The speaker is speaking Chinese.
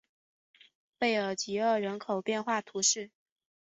贝尔济厄人口变化图示